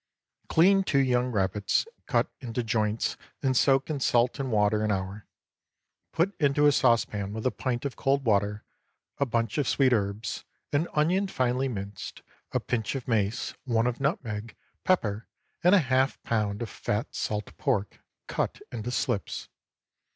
_)✠ Clean two young rabbits, cut into joints, and soak in salt and water an hour. Put into a saucepan with a pint of cold water, a bunch of sweet herbs, an onion finely minced, a pinch of mace, one of nutmeg, pepper, and half a pound of fat salt pork, cut into slips.